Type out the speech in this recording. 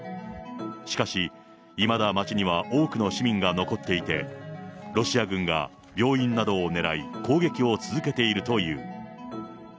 しかしいまだ街には多くの市民が残っていて、ロシア軍が病院などを狙い攻撃を続けているという。